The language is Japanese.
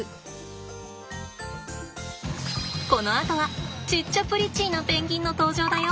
このあとはちっちゃプリチーなペンギンの登場だよ。